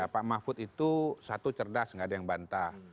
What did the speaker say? pak mahfud itu satu cerdas nggak ada yang bantah